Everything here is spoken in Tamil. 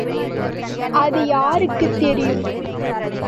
அது யாருக்குத் தெரியும்?